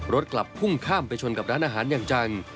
รถกลับพุ่งข้ามไปชนกับร้านอาหารอย่างจัง